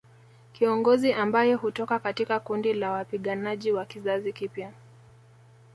Kiongozi ambaye hutoka katika kundi la wapiganaji wa kizazi kipya